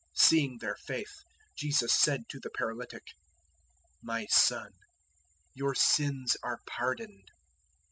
002:005 Seeing their faith, Jesus said to the paralytic, "My son, your sins are pardoned."